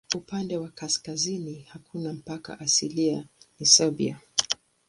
Upande wa kaskazini hakuna mpaka asilia na Siberia.